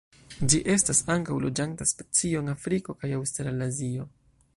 Ĝi estas ankaŭ loĝanta specio en Afriko kaj Aŭstralazio.